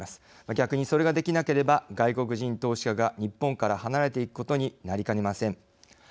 逆にそれができなければ外国人投資家が日本から離れていくことになりかねません。